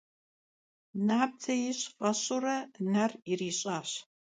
Nabdze yiş' f'eş'ure ner yiriş'aş.